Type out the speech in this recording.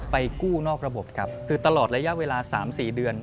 กู้นอกระบบครับคือตลอดระยะเวลา๓๔เดือน